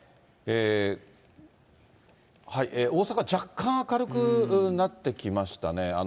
大阪、若干明るくなってきましたね。